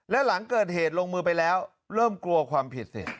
และหลังเกิดเหตุลงมือไปแล้วเริ่มกลัวความผิดสิ